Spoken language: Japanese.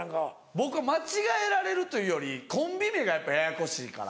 僕は間違えられるというよりコンビ名がややこしいから。